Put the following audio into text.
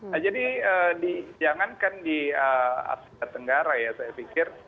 nah jadi dijangankan di asing asing tenggara ya saya pikir